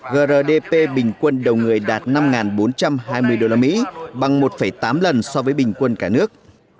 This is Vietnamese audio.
grdp bình quân đầu người đạt năm bốn trăm hai mươi usd bằng một tám lần so với bình quân cả nước